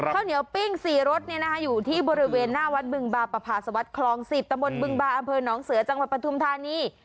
ข้าวเหนียวปิ้ง๔รสอยู่ที่บริเวณหน้าวัดบึงบาปภาสวัสดิคลอง๑๐ตะบนบึงบาอำเภอหนองเสือจังหวัดปทุมธานี